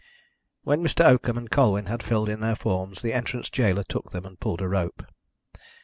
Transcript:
When Mr. Oakham and Colwyn had filled in their forms the entrance gaoler took them and pulled a rope.